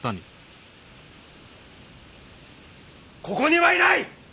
ここにはいない！